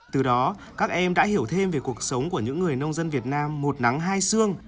từ đó các em đã hiểu thêm về cuộc sống của những người nông dân việt nam một nắng hai xương